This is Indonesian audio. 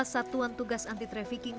satuan tugas anti trafficking